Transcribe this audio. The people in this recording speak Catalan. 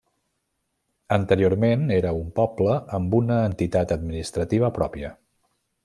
Anteriorment era un poble amb una entitat administrativa pròpia.